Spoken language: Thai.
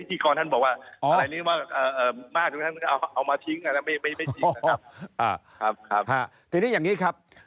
อะครับครับที่นี้อย่างนี้ครับ